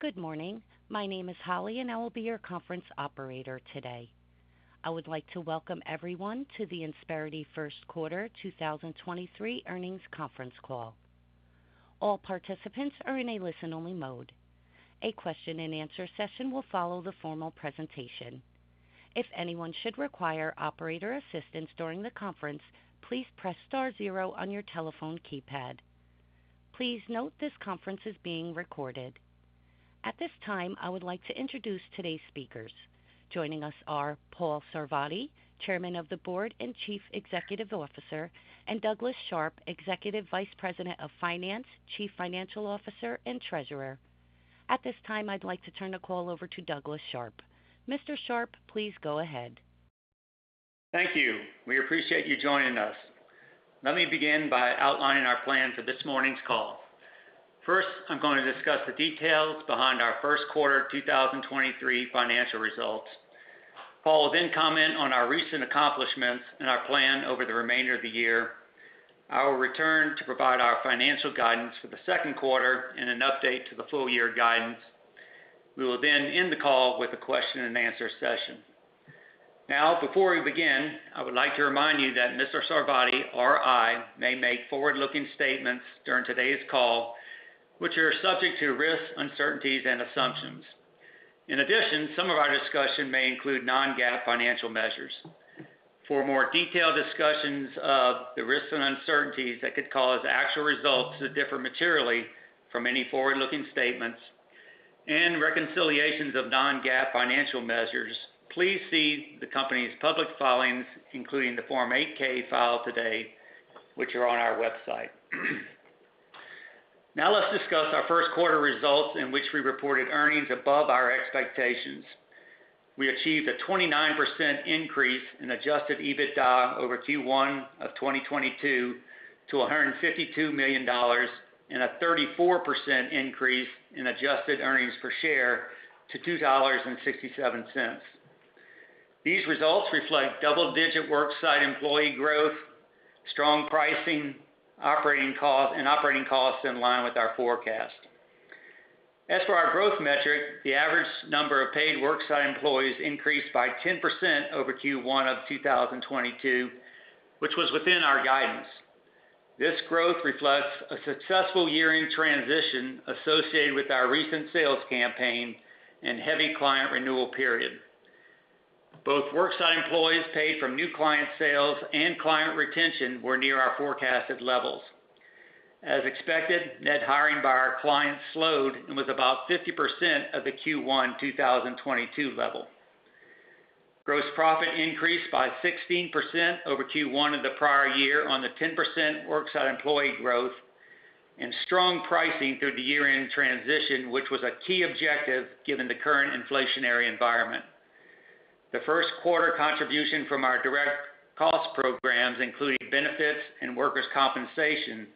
Good morning. My name is Holly, and I will be your conference operator today. I would like to welcome everyone to the Insperity First Quarter 2023 Earnings Conference Call. All participants are in a listen-only mode. A question-and-answer session will follow the formal presentation. If anyone should require operator assistance during the conference, please press star zero on your telephone keypad. Please note this conference is being recorded. At this time, I would like to introduce today's speakers. Joining us are Paul Sarvadi, Chairman of the Board and Chief Executive Officer, and Douglas Sharp, Executive Vice President of Finance, Chief Financial Officer, and Treasurer. At this time, I'd like to turn the call over to Douglas Sharp. Mr. Sharp, please go ahead. Thank you. We appreciate you joining us. Let me begin by outlining our plan for this morning's call. First, I'm going to discuss the details behind our first quarter 2023 financial results. Paul will comment on our recent accomplishments and our plan over the remainder of the year. I will return to provide our financial guidance for the second quarter and an update to the full year guidance. We will end the call with a question and answer session. Before we begin, I would like to remind you that Mr. Sarvadi or I may make forward-looking statements during today's call, which are subject to risks, uncertainties and assumptions. Some of our discussion may include non-GAAP financial measures. For more detailed discussions of the risks and uncertainties that could cause actual results to differ materially from any forward-looking statements and reconciliations of non-GAAP financial measures, please see the company's public filings, including the Form 8-K filed today, which are on our website. Now let's discuss our first quarter results in which we reported earnings above our expectations. We achieved a 29% increase in Adjusted EBITDA over Q1 of 2022 to $152 million and a 34% increase in adjusted earnings per share to $2.67. These results reflect double-digit worksite employee growth, strong pricing, and operating costs in line with our forecast. As for our growth metric, the average number of paid worksite employees increased by 10% over Q1 of 2022, which was within our guidance. This growth reflects a successful year-end transition associated with our recent sales campaign and heavy client renewal period. Both worksite employees paid from new client sales and client retention were near our forecasted levels. As expected, net hiring by our clients slowed and was about 50% of the Q1 2022 level. Gross profit increased by 16% over Q1 of the prior year on the 10% worksite employee growth and strong pricing through the year-end transition, which was a key objective given the current inflationary environment. The first quarter contribution from our direct cost programs, including benefits and workers' compensation,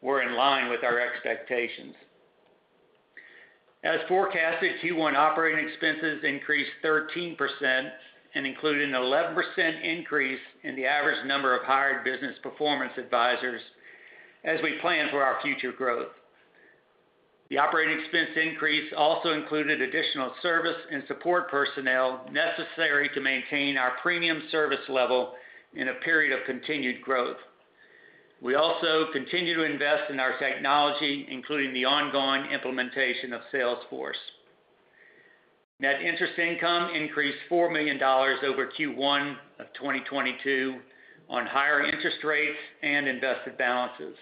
were in line with our expectations. As forecasted, Q1 operating expenses increased 13% and included an 11% increase in the average number of hired Business Performance Advisors as we plan for our future growth. The operating expense increase also included additional service and support personnel necessary to maintain our premium service level in a period of continued growth. We also continue to invest in our technology, including the ongoing implementation of Salesforce. Net interest income increased $4 million over Q1 of 2022 on higher interest rates and invested balances.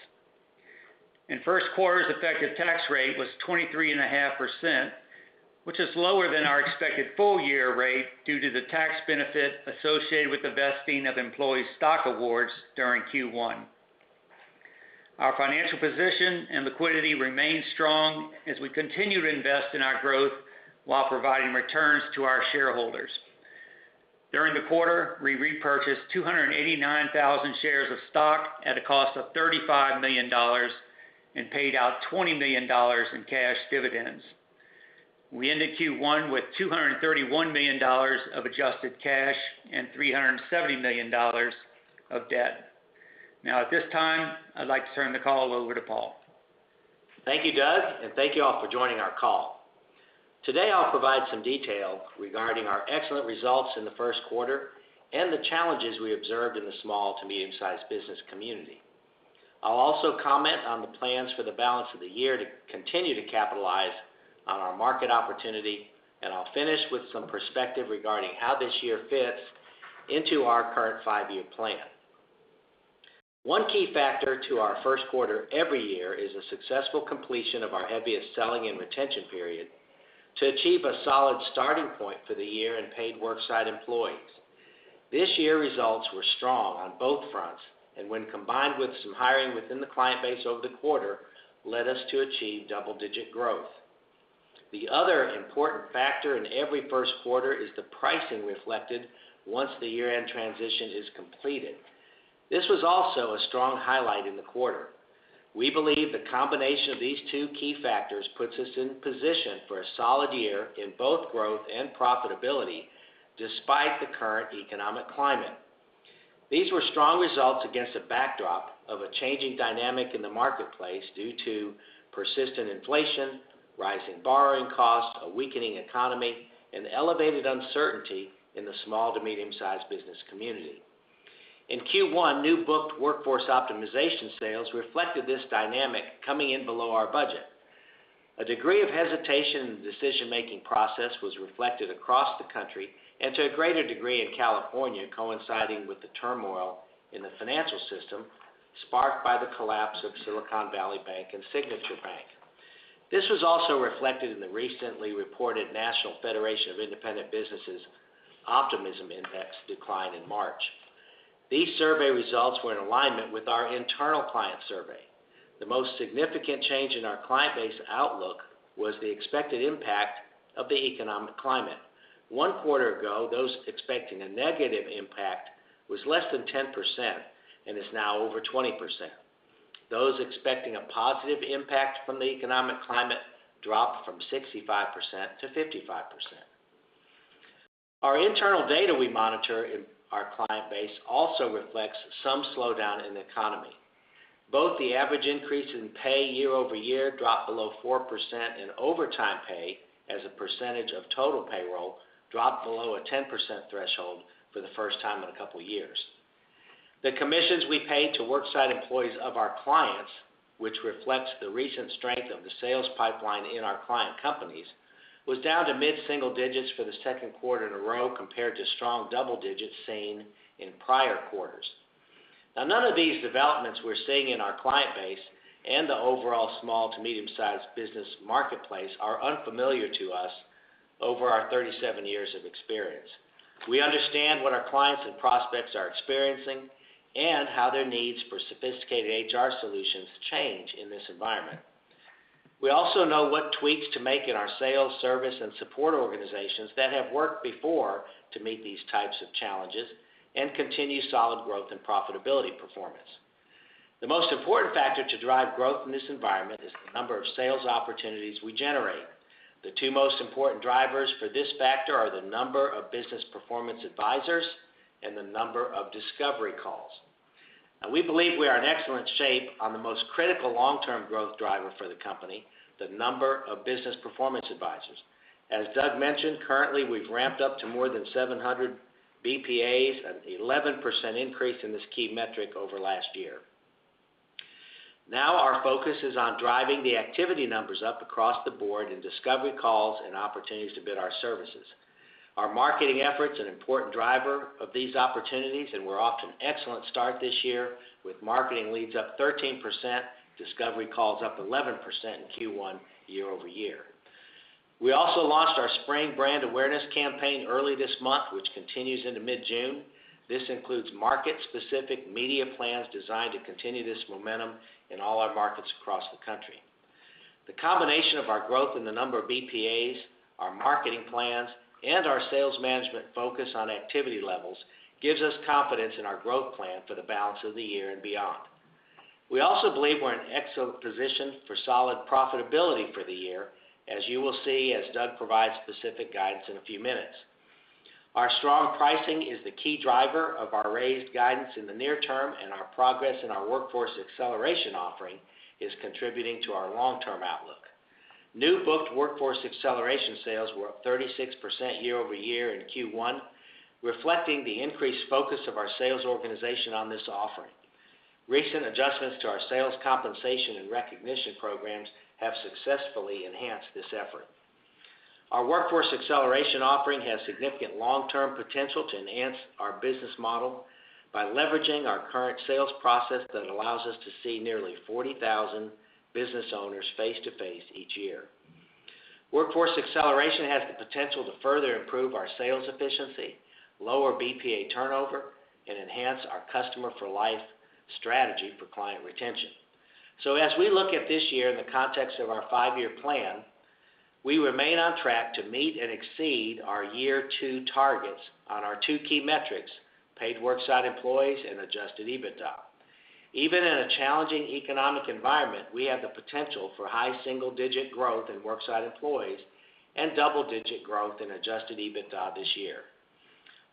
First quarter's effective tax rate was 23.5%, which is lower than our expected full year rate due to the tax benefit associated with the vesting of employee stock awards during Q1. Our financial position and liquidity remain strong as we continue to invest in our growth while providing returns to our shareholders. During the quarter, we repurchased 289,000 shares of stock at a cost of $35 million and paid out $20 million in cash dividends. We ended Q1 with $231 million of adjusted cash and $370 million of debt. At this time, I'd like to turn the call over to Paul. Thank you, Doug. Thank you all for joining our call. Today, I'll provide some detail regarding our excellent results in the first quarter and the challenges we observed in the small to medium-sized business community. I'll also comment on the plans for the balance of the year to continue to capitalize on our market opportunity, and I'll finish with some perspective regarding how this year fits into our current five-year plan. One key factor to our first quarter every year is a successful completion of our heaviest selling and retention period to achieve a solid starting point for the year in paid worksite employees. This year, results were strong on both fronts and when combined with some hiring within the client base over the quarter, led us to achieve double-digit growth. The other important factor in every first quarter is the pricing reflected once the year-end transition is completed. This was also a strong highlight in the quarter. We believe the combination of these two key factors puts us in position for a solid year in both growth and profitability despite the current economic climate. These were strong results against a backdrop of a changing dynamic in the marketplace due to persistent inflation, rising borrowing costs, a weakening economy, and elevated uncertainty in the small to medium-sized business community. In Q1, new booked Workforce Optimization sales reflected this dynamic coming in below our budget. A degree of hesitation in the decision-making process was reflected across the country and to a greater degree in California, coinciding with the turmoil in the financial system sparked by the collapse of Silicon Valley Bank and Signature Bank. This was also reflected in the recently reported National Federation of Independent Business Optimism Index decline in March. These survey results were in alignment with our internal client survey. The most significant change in our client base outlook was the expected impact of the economic climate. One quarter ago, those expecting a negative impact was less than 10% and is now over 20%. Those expecting a positive impact from the economic climate dropped from 65% to 55%. Our internal data we monitor in our client base also reflects some slowdown in the economy. Both the average increase in pay year-over-year dropped below 4% and overtime pay as a percentage of total payroll dropped below a 10% threshold for the first time in a couple of years. The commissions we pay to worksite employees of our clients, which reflects the recent strength of the sales pipeline in our client companies, was down to mid-single digits for the second quarter in a row compared to strong double digits seen in prior quarters. None of these developments we're seeing in our client base and the overall small to medium-sized business marketplace are unfamiliar to us over our 37 years of experience. We understand what our clients and prospects are experiencing and how their needs for sophisticated HR solutions change in this environment. We also know what tweaks to make in our sales, service, and support organizations that have worked before to meet these types of challenges and continue solid growth and profitability performance. The most important factor to drive growth in this environment is the number of sales opportunities we generate. The two most important drivers for this factor are the number of Business Performance Advisors and the number of discovery calls. We believe we are in excellent shape on the most critical long-term growth driver for the company, the number of Business Performance Advisors. As Doug mentioned, currently, we've ramped up to more than 700 BPAs, an 11% increase in this key metric over last year. Now our focus is on driving the activity numbers up across the board in discovery calls and opportunities to bid our services. Our marketing effort's an important driver of these opportunities, and we're off to an excellent start this year with marketing leads up 13%, discovery calls up 11% in Q1 year-over-year. We also launched our spring brand awareness campaign early this month, which continues into mid-June. This includes market-specific media plans designed to continue this momentum in all our markets across the country. The combination of our growth in the number of BPAs, our marketing plans, and our sales management focus on activity levels gives us confidence in our growth plan for the balance of the year and beyond. We also believe we're in excellent position for solid profitability for the year, as you will see as Doug provides specific guidance in a few minutes. Our strong pricing is the key driver of our raised guidance in the near term, and our progress in our Workforce Acceleration offering is contributing to our long-term outlook. New booked Workforce Acceleration sales were up 36% year-over-year in Q1, reflecting the increased focus of our sales organization on this offering. Recent adjustments to our sales compensation and recognition programs have successfully enhanced this effort. Our Workforce Acceleration offering has significant long-term potential to enhance our business model by leveraging our current sales process that allows us to see nearly 40,000 business owners face to face each year. Workforce Acceleration has the potential to further improve our sales efficiency, lower BPA turnover, and enhance our Customer for Life strategy for client retention. As we look at this year in the context of our five-year plan, we remain on track to meet and exceed our year two targets on our two key metrics, paid worksite employees and Adjusted EBITDA. Even in a challenging economic environment, we have the potential for high single-digit growth in worksite employees and double-digit growth in Adjusted EBITDA this year.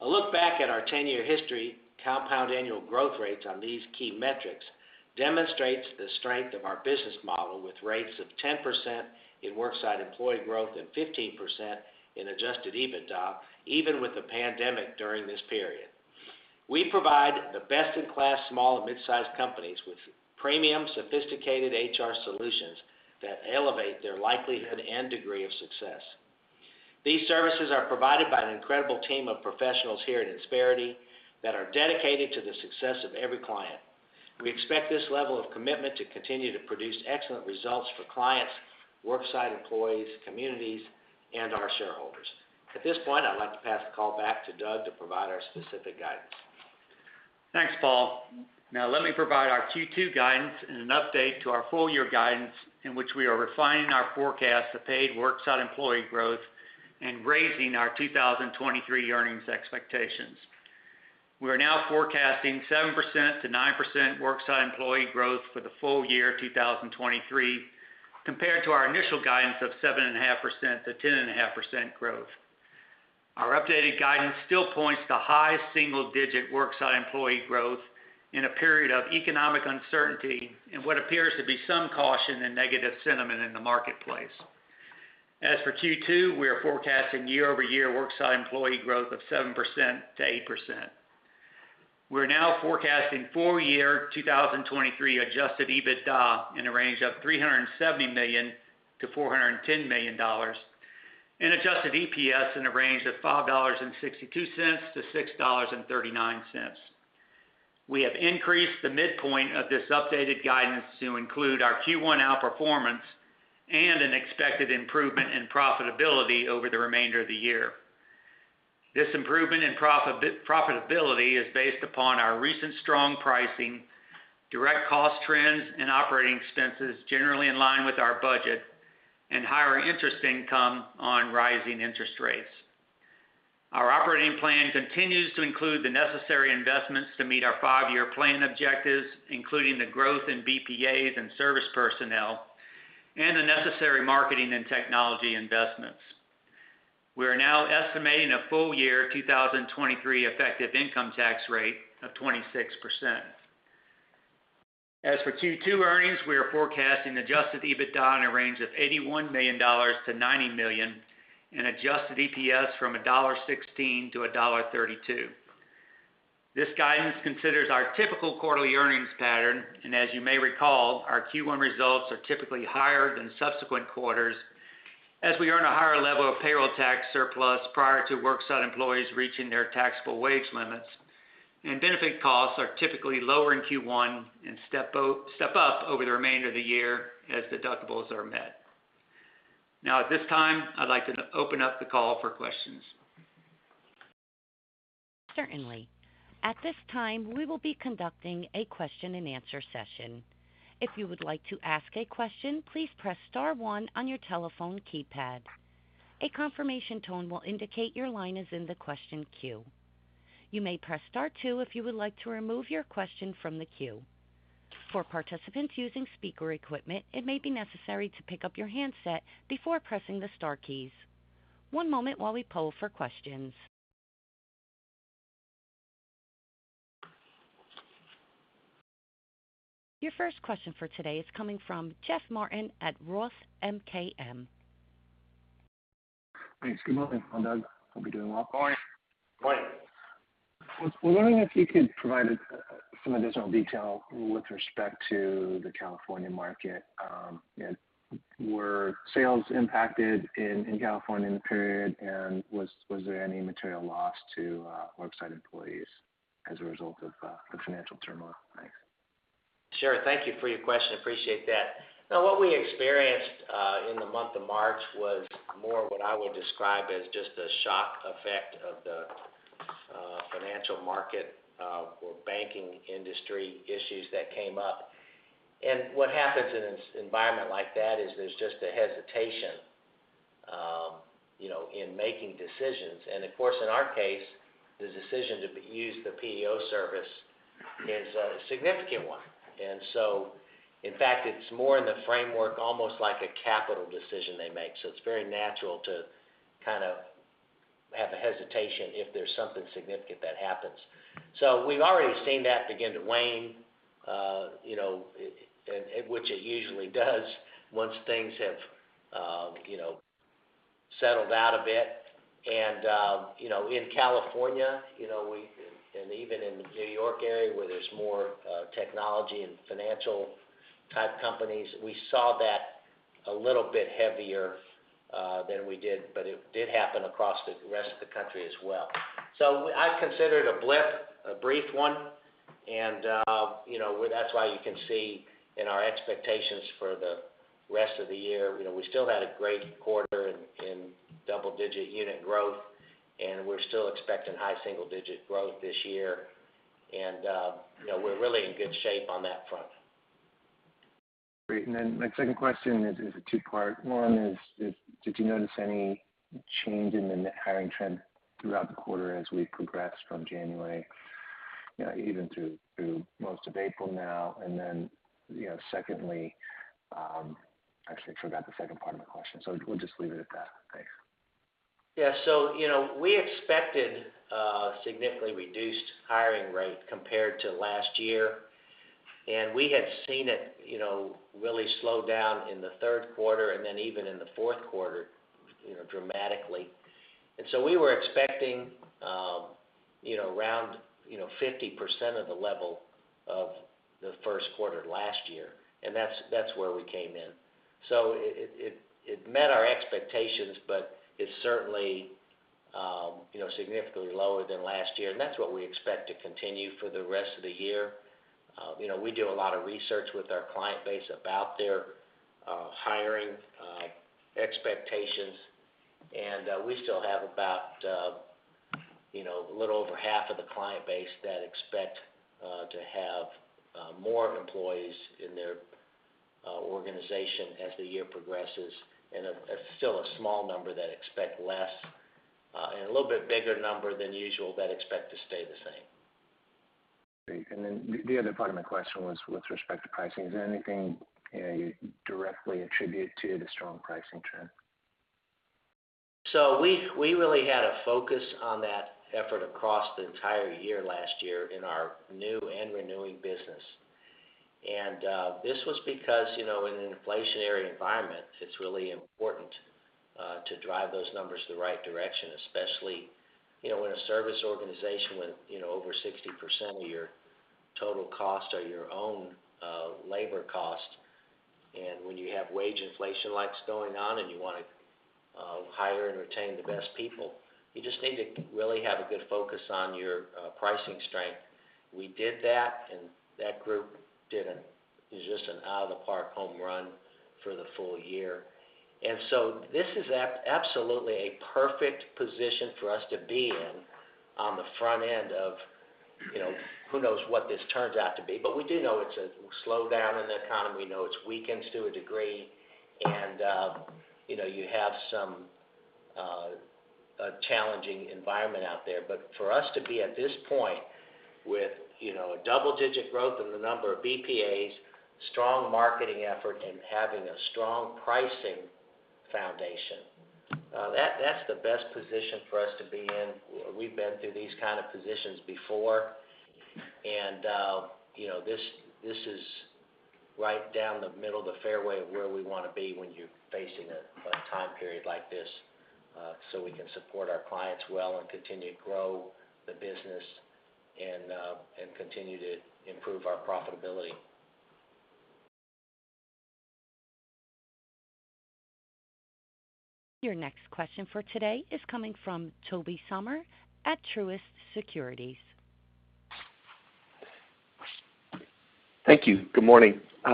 A look back at our 10-year history compound annual growth rates on these key metrics demonstrates the strength of our business model with rates of 10% in worksite employee growth and 15% in Adjusted EBITDA, even with the pandemic during this period. We provide the best-in-class small and mid-sized companies with premium, sophisticated HR solutions that elevate their likelihood and degree of success. These services are provided by an incredible team of professionals here at Insperity that are dedicated to the success of every client. We expect this level of commitment to continue to produce excellent results for clients, worksite employees, communities, and our shareholders. At this point, I'd like to pass the call back to Doug to provide our specific guidance. Thanks, Paul. Now let me provide our Q2 guidance and an update to our full year guidance in which we are refining our forecast of paid worksite employee growth and raising our 2023 earnings expectations. We are now forecasting 7%-9% worksite employee growth for the full year 2023. Compared to our initial guidance of 7.5%-10.5% growth. Our updated guidance still points to high single digit worksite employee growth in a period of economic uncertainty in what appears to be some caution and negative sentiment in the marketplace. As for Q2, we are forecasting year-over-year worksite employee growth of 7%-8%. We're now forecasting full year 2023 Adjusted EBITDA in a range of $370 million-$410 million and adjusted EPS in a range of $5.62-$6.39. We have increased the midpoint of this updated guidance to include our Q1 outperformance and an expected improvement in profitability over the remainder of the year. This improvement in profitability is based upon our recent strong pricing, direct cost trends and operating expenses generally in line with our budget and higher interest income on rising interest rates. Our operating plan continues to include the necessary investments to meet our five-year plan objectives, including the growth in BPAs and service personnel, and the necessary marketing and technology investments. We are now estimating a full year 2023 effective income tax rate of 26%. As for Q2 earnings, we are forecasting Adjusted EBITDA in a range of $81 million-$90 million and adjusted EPS from $1.16-$1.32. This guidance considers our typical quarterly earnings pattern, as you may recall, our Q1 results are typically higher than subsequent quarters as we earn a higher level of payroll tax surplus prior to worksite employees reaching their taxable wage limits, and benefit costs are typically lower in Q1 and step up over the remainder of the year as deductibles are met. At this time, I'd like to open up the call for questions. Certainly. At this time, we will be conducting a question-and-answer session. If you would like to ask a question, please press star one on your telephone keypad. A confirmation tone will indicate your line is in the question queue. You may press star two if you would like to remove your question from the queue. For participants using speaker equipment, it may be necessary to pick up your handset before pressing the star keys. One moment while we poll for questions. Your first question for today is coming from Jeff Martin at ROTH MKM. Thanks. Good morning, Doug. Hope you're doing well. Morning. Morning. Was wondering if you could provide some additional detail with respect to the California market. Were sales impacted in California in the period? Was there any material loss to worksite employees as a result of the financial turmoil? Thanks. Sure. Thank you for your question. Appreciate that. What we experienced in the month of March was more what I would describe as just a shock effect of the financial market or banking industry issues that came up. What happens in an environment like that is there's just a hesitation, you know, in making decisions. Of course, in our case, the decision to use the PEO service is a significant one. In fact, it's more in the framework, almost like a capital decision they make. It's very natural to kind of have a hesitation if there's something significant that happens. We've already seen that begin to wane, you know, which it usually does once things have, you know, settled out a bit. You know, in California, you know, even in the New York area where there's more technology and financial type companies, we saw that a little bit heavier than we did, but it did happen across the rest of the country as well. I consider it a blip, a brief one. You know, that's why you can see in our expectations for the rest of the year, you know, we still had a great quarter in double-digit unit growth, and we're still expecting high single-digit growth this year. You know, we're really in good shape on that front. Great. My second question is a two-part. One is, did you notice any change in the hiring trend throughout the quarter as we progressed from January, you know, even through most of April now? Actually, I forgot the second part of my question. We'll just leave it at that. Thanks. Yeah. You know, we expected a significantly reduced hiring rate compared to last year, and we had seen it, you know, really slow down in the third quarter and then even in the fourth quarter, you know, dramatically. We were expecting, you know, around, you know, 50% of the level of the first quarter last year. That's where we came in. It met our expectations, but it's certainly, you know, significantly lower than last year. That's what we expect to continue for the rest of the year. You know, we do a lot of research with our client base about their hiring expectations. We still have about, you know, a little over half of the client base that expect to have more employees in their organization as the year progresses, and a still a small number that expect less, and a little bit bigger number than usual that expect to stay the same. Great. The other part of my question was with respect to pricing. Is there anything, you know, you directly attribute to the strong pricing trend? We really had a focus on that effort across the entire year last year in our new and renewing business. This was because, you know, in an inflationary environment, it's really important to drive those numbers the right direction, especially, you know, in a service organization when, you know, over 60% of your total costs are your own labor cost. When you have wage inflation likes going on and you wanna hire and retain the best people, you just need to really have a good focus on your pricing strength. We did that, and that group is just an out of the park home run for the full year. This is absolutely a perfect position for us to be in on the front end of, you know, who knows what this turns out to be. We do know it's a slowdown in the economy. We know it's weakened to a degree, and, you know, you have some, a challenging environment out there. For us to be at this point with, you know, a double-digit growth in the number of BPAs, strong marketing effort, and having a strong pricing foundation, that's the best position for us to be in. We've been through these kind of positions before. You know, this is right down the middle of the fairway of where we wanna be when you're facing a time period like this, so we can support our clients well and continue to grow the business and continue to improve our profitability. Your next question for today is coming from Tobey Sommer at Truist Securities. Thank you. Good morning. I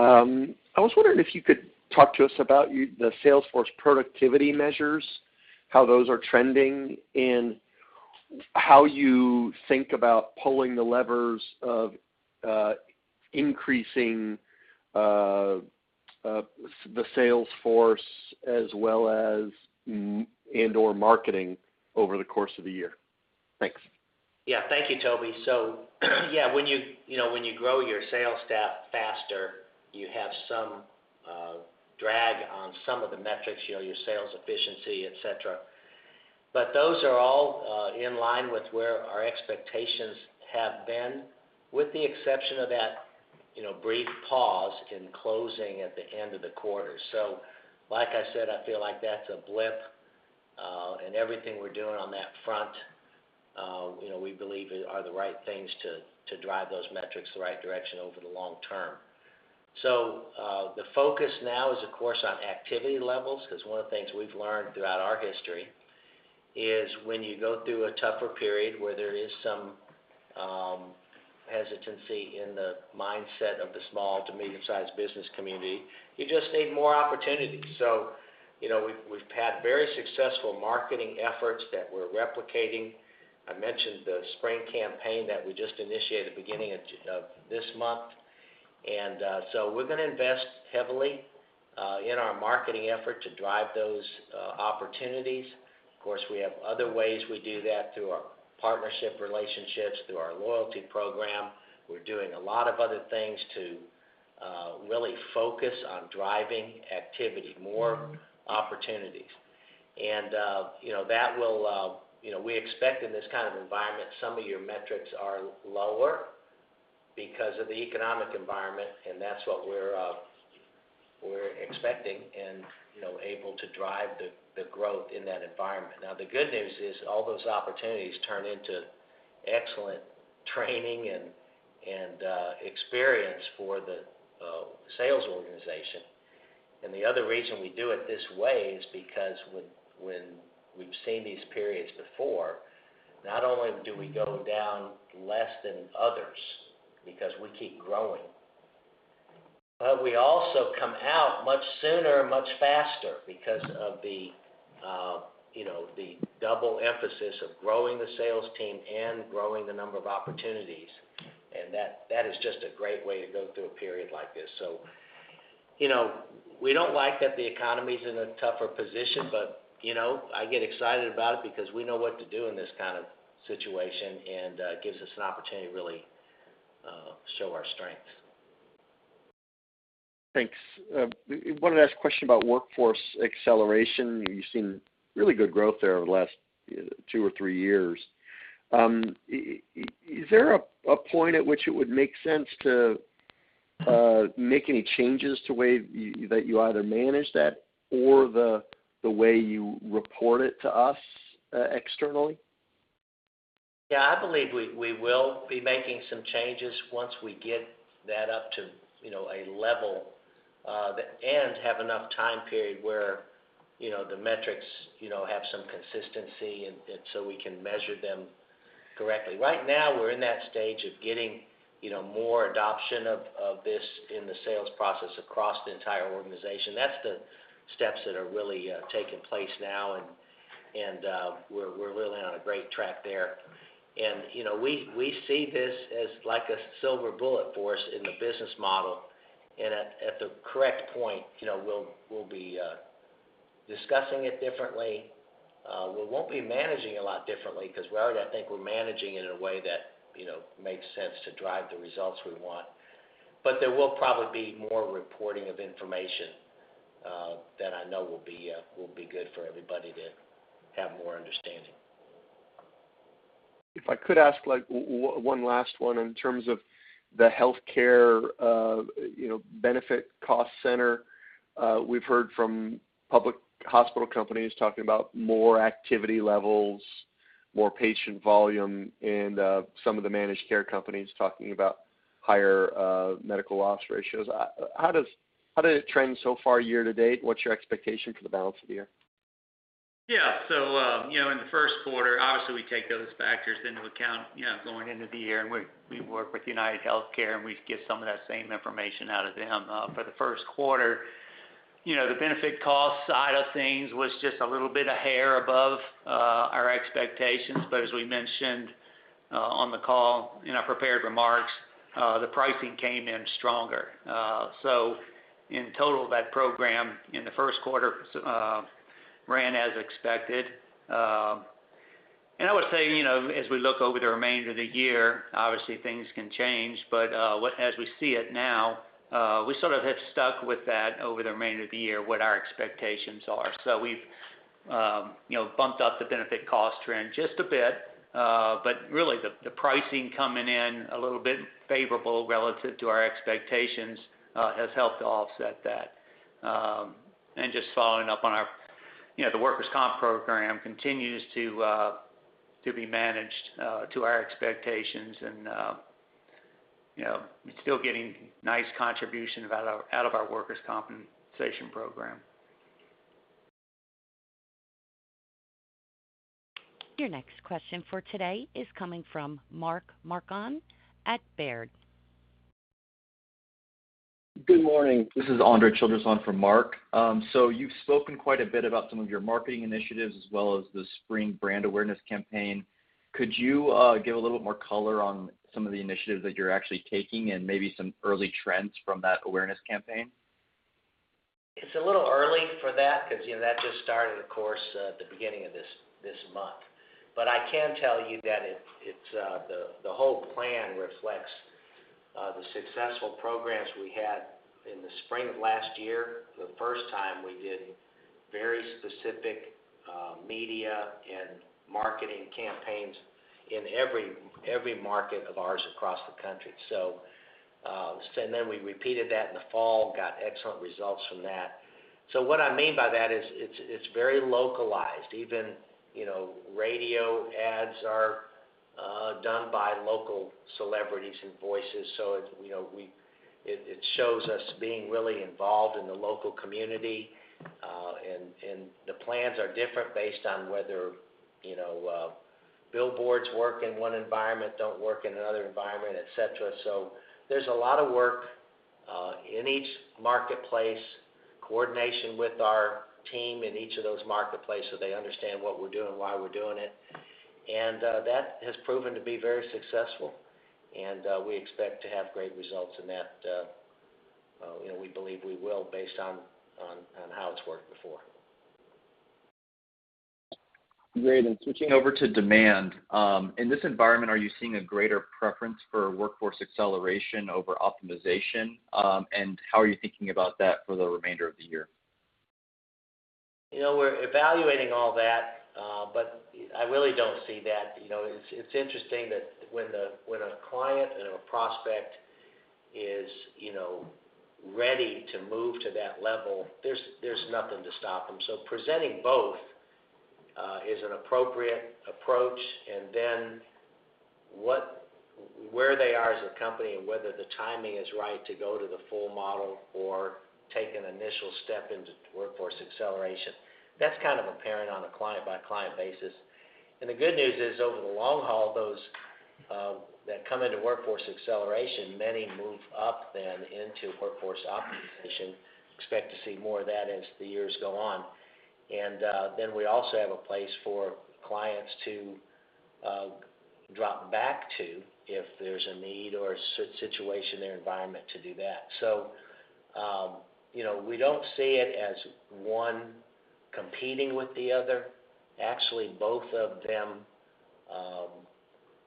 was wondering if you could talk to us about the sales force productivity measures, how those are trending, and how you think about pulling the levers of increasing the sales force as well as and/or marketing over the course of the year. Thanks. Thank you, Tobey. When you know, when you grow your sales staff faster, you have some drag on some of the metrics, you know, your sales efficiency, et cetera. Those are all in line with where our expectations have been, with the exception of that, you know, brief pause in closing at the end of the quarter. Like I said, I feel like that's a blip. Everything we're doing on that front, you know, we believe are the right things to drive those metrics the right direction over the long term. The focus now is of course on activity levels, cause one of the things we've learned throughout our history is when you go through a tougher period where there is some hesitancy in the mindset of the small to medium-sized business community, you just need more opportunities. You know, we've had very successful marketing efforts that we're replicating. I mentioned the spring campaign that we just initiated at the beginning of this month. We're gonna invest heavily in our marketing effort to drive those opportunities. Of course, we have other ways we do that through our partnership relationships, through our loyalty program. We're doing a lot of other things to really focus on driving activity, more opportunities. You know, that will, you know, we expect in this kind of environment, some of your metrics are lower because of the economic environment, and that's what we're expecting and, you know, able to drive the growth in that environment. Now, the good news is all those opportunities turn into excellent training and experience for the sales organization. The other reason we do it this way is because when we've seen these periods before, not only do we go down less than others because we keep growing, but we also come out much sooner and much faster because of the, you know, the double emphasis of growing the sales team and growing the number of opportunities. That, that is just a great way to go through a period like this. You know, we don't like that the economy's in a tougher position, but, you know, I get excited about it because we know what to do in this kind of situation, and it gives us an opportunity to really show our strengths. Thanks. Wanted to ask a question about Workforce Acceleration. You've seen really good growth there over the last two or three years. Is there a point at which it would make sense to make any changes to way that you either manage that or the way you report it to us externally? Yeah. I believe we will be making some changes once we get that up to, you know, a level, that and have enough time period where, you know, the metrics, you know, have some consistency and so we can measure them correctly. Right now, we're in that stage of getting, you know, more adoption of this in the sales process across the entire organization. That's the steps that are really taking place now, and we're really on a great track there. You know, we see this as like a silver bullet for us in the business model. At the correct point, you know, we'll be discussing it differently. We won't be managing a lot differently because we already, I think we're managing it in a way that, you know, makes sense to drive the results we want. There will probably be more reporting of information that I know will be good for everybody to have more understanding. If I could ask like one last one in terms of the healthcare, you know, benefit cost center. We've heard from public hospital companies talking about more activity levels, more patient volume, and some of the managed care companies talking about higher medical loss ratios. How did it trend so far year-to-date? What's your expectation for the balance of the year? You know, in the first quarter, obviously we take those factors into account, you know, going into the year, and we work with UnitedHealthcare, and we get some of that same information out of them. For the first quarter, you know, the benefit cost side of things was just a little bit of hair above our expectations. As we mentioned, on the call in our prepared remarks, the pricing came in stronger. In total, that program in the first quarter, ran as expected. I would say, you know, as we look over the remainder of the year, obviously things can change, but as we see it now, we sort of have stuck with that over the remainder of the year, what our expectations are. We've, you know, bumped up the benefit cost trend just a bit, really the pricing coming in a little bit favorable relative to our expectations, has helped to offset that. Just following up on our, you know, the workers' comp program continues to be managed to our expectations and, you know, we're still getting nice contribution out of our workers' compensation program. Your next question for today is coming from Mark Marcon at Baird. Good morning. This is Andre Childress on for Mark. you've spoken quite a bit about some of your marketing initiatives as well as the spring brand awareness campaign. Could you give a little bit more color on some of the initiatives that you're actually taking and maybe some early trends from that awareness campaign? It's a little early for that because, you know, that just started, of course, at the beginning of this month. I can tell you that it's, the whole plan reflects the successful programs we had in the spring of last year, the first time we did very specific, media and marketing campaigns in every market of ours across the country. We repeated that in the fall, got excellent results from that. What I mean by that is it's very localized. Even, you know, radio ads are done by local celebrities and voices. It's, you know, it shows us being really involved in the local community, and the plans are different based on whether, you know, billboards work in one environment, don't work in another environment, et cetera. There's a lot of work in each marketplace, coordination with our team in each of those marketplace, so they understand what we're doing, why we're doing it. That has proven to be very successful, and we expect to have great results in that. you know, we believe we will based on how it's worked before. Great. Switching over to demand. In this environment, are you seeing a greater preference for Workforce Acceleration over Workforce Optimization? How are you thinking about that for the remainder of the year? You know, we're evaluating all that, but I really don't see that. You know, it's interesting that when a client and a prospect is, you know, ready to move to that level, there's nothing to stop them. Presenting both is an appropriate approach. Where they are as a company and whether the timing is right to go to the full model or take an initial step into Workforce Acceleration, that's kind of apparent on a client-by-client basis. The good news is, over the long haul, those that come into Workforce Acceleration, many move up then into Workforce Optimization. Expect to see more of that as the years go on. We also have a place for clients to drop back to if there's a need or situation in their environment to do that. You know, we don't see it as one competing with the other. Actually, both of them,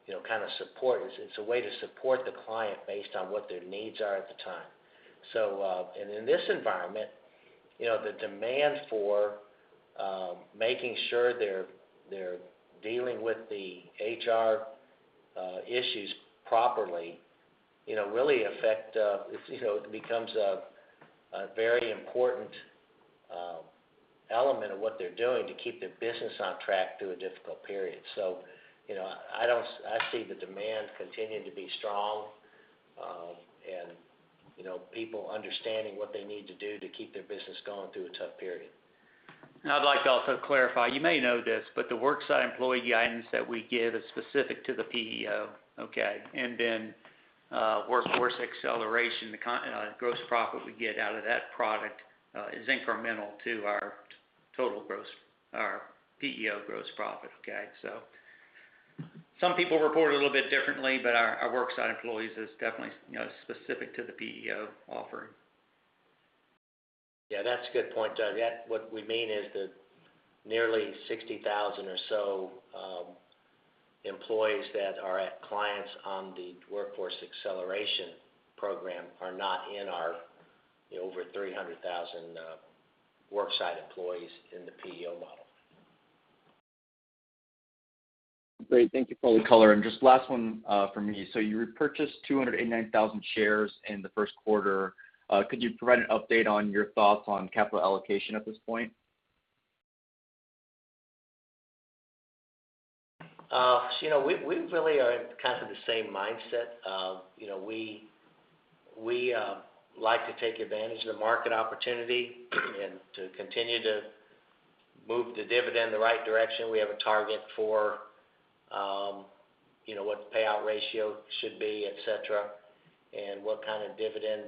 you know, kind of support us. It's a way to support the client based on what their needs are at the time. In this environment, you know, the demand for making sure they're dealing with the HR issues properly, you know, really affect, you know, it becomes a very important element of what they're doing to keep their business on track through a difficult period. You know, I see the demand continuing to be strong, and, you know, people understanding what they need to do to keep their business going through a tough period. I'd like to also clarify, you may know this, but the worksite employee guidance that we give is specific to the PEO, okay? Workforce Acceleration, gross profit we get out of that product, is incremental to our total gross, our PEO gross profit, okay? Some people report it a little bit differently, but our worksite employees is definitely, you know, specific to the PEO offering. Yeah, that's a good point, Doug. What we mean is the nearly 60,000 or so employees that are at clients on the Workforce Acceleration program are not in our over 300,000 worksite employees in the PEO model. Great. Thank you for all the color. Just last one, from me. You repurchased 289,000 shares in the first quarter. Could you provide an update on your thoughts on capital allocation at this point? You know, we really are kind of the same mindset of, you know, we like to take advantage of the market opportunity and to continue to move the dividend in the right direction. We have a target for, you know, what the payout ratio should be, et cetera, and what kind of dividend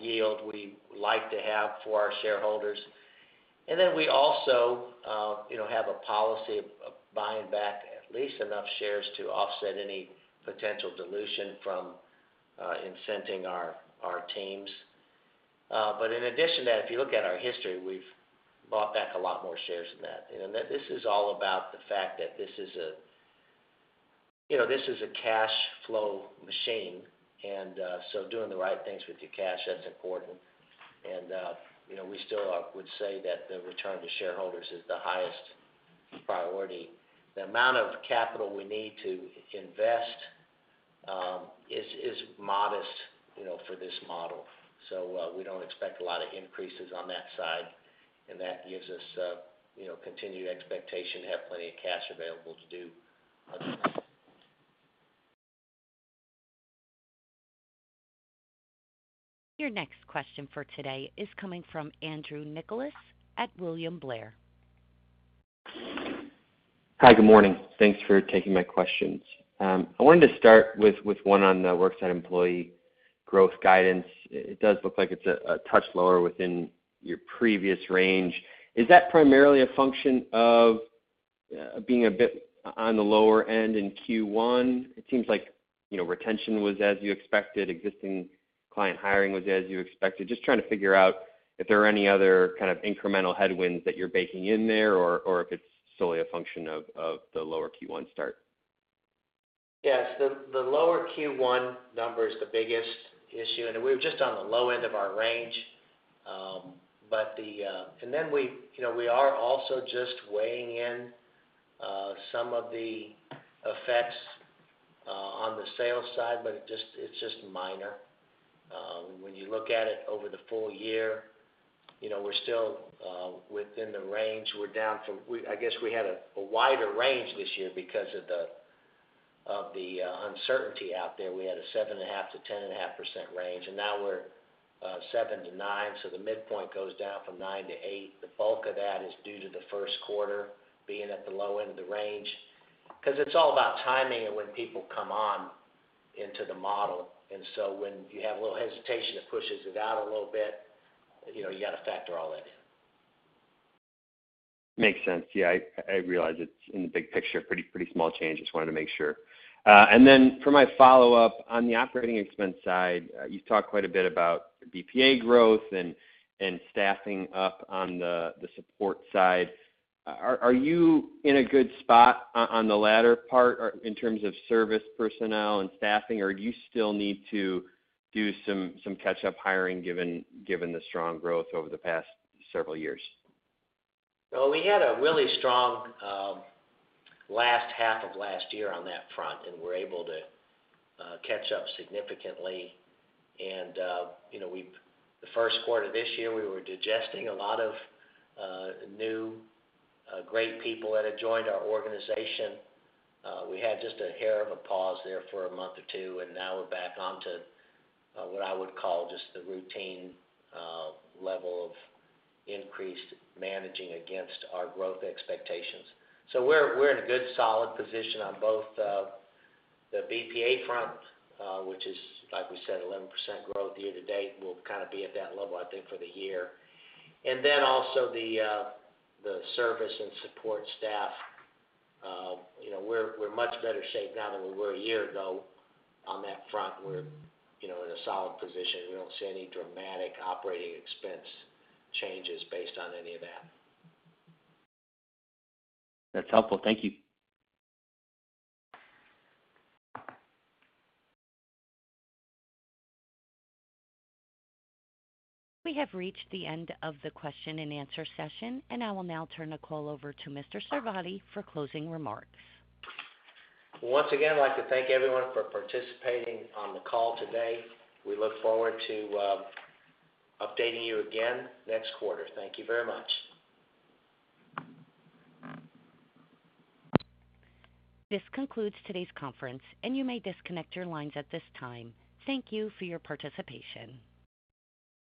yield we like to have for our shareholders. We also, you know, have a policy of buying back at least enough shares to offset any potential dilution from incenting our teams. In addition to that, if you look at our history, we've bought back a lot more shares than that. You know, this is all about the fact that You know, this is a cash flow machine, and so doing the right things with your cash, that's important. You know, we still would say that the return to shareholders is the highest priority. The amount of capital we need to invest is modest, you know, for this model. We don't expect a lot of increases on that side, and that gives us, you know, continued expectation to have plenty of cash available to do other things. Your next question for today is coming from Andrew Nicholas at William Blair. Hi. Good morning. Thanks for taking my questions. I wanted to start with one on the worksite employee growth guidance. It does look like it's a touch lower within your previous range. Is that primarily a function of being a bit on the lower end in Q1? It seems like, you know, retention was as you expected, existing client hiring was as you expected. Just trying to figure out if there are any other kind of incremental headwinds that you're baking in there or if it's solely a function of the lower Q1 start. Yes, the lower Q1 number is the biggest issue, and we're just on the low end of our range. We, you know, we are also just weighing in some of the effects on the sales side, but it's just minor. When you look at it over the full year, you know, we're still within the range. I guess we had a wider range this year because of the uncertainty out there. We had a 7.5%-10.5% range, and now we're 7%-9%, so the midpoint goes down from 9% to 8%. The bulk of that is due to the first quarter being at the low end of the range, 'cause it's all about timing and when people come on into the model. When you have a little hesitation, it pushes it out a little bit. You know, you gotta factor all that in. Makes sense. Yeah, I realize it's, in the big picture, pretty small change. Just wanted to make sure. For my follow-up, on the OpEx side, you've talked quite a bit about BPA growth and staffing up on the support side. Are you in a good spot on the latter part in terms of service personnel and staffing, or do you still need to do some catch-up hiring given the strong growth over the past several years? We had a really strong last half of last year on that front, and we're able to catch up significantly. You know, the first quarter this year, we were digesting a lot of new great people that had joined our organization. We had just a hair of a pause there for a month or two, now we're back onto what I would call just the routine level of increased managing against our growth expectations. We're in a good, solid position on both the BPA front, which is, like we said, 11% growth year-to-date. We'll kind of be at that level, I think, for the year. Also the service and support staff. You know, we're in much better shape now than we were a year ago on that front. We're, you know, in a solid position. We don't see any dramatic operating expense changes based on any of that. That's helpful. Thank you. We have reached the end of the question and answer session, and I will now turn the call over to Mr. Sarvadi for closing remarks. Once again, I'd like to thank everyone for participating on the call today. We look forward to updating you again next quarter. Thank you very much. This concludes today's conference, and you may disconnect your lines at this time. Thank you for your participation.